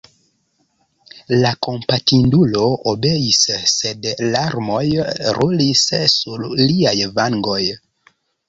La kompatindulo obeis, sed larmoj rulis sur liaj vangoj.